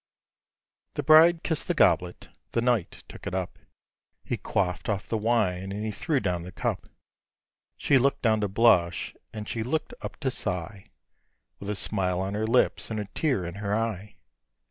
The bride kiss'd the goblet: the knight took it up, He quaff d off the wine and he threw down the cup. She look'd down to blush, and she look'd up to sigh, With a smile on her lips, and a tear in her eye.